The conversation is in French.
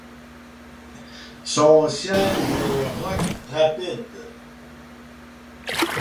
Son siège est Rock Rapids.